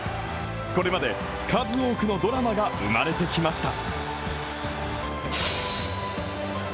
これまで数多くのドラマが生まれてきました。